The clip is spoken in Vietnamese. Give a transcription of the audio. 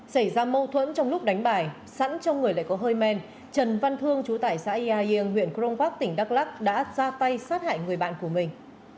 xảy ra mâu thuẫn trong lúc đánh bài sẵn trong người lại có hơi men trần văn thương chú tải xã yà yêng huyện kronquác tỉnh đắk lắk đã ra tay sát hại người bạn của mình